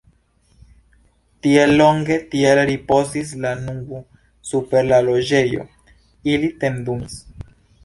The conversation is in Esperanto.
Tiel longe kiel ripozis la nubo super la Loĝejo, ili tendumis.